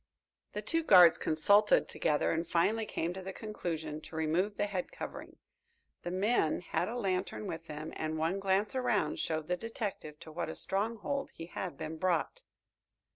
The two guards consulted together and finally came to the conclusion to remove the head covering. The men had a lantern with them and one glance around showed the detective to what a stronghold he had been brought.